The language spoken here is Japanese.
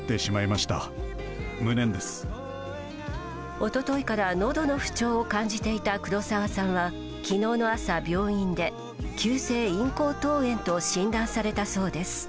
一昨日から喉の不調を感じていた黒沢さんは昨日の朝病院で急性咽喉頭炎と診断されたそうです。